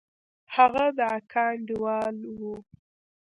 هغه د اکا انډيوال و.